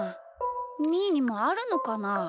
みーにもあるのかな？